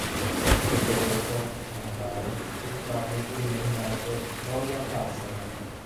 Poco dopo, a Natale, il club fu rinominato "Royal Arsenal".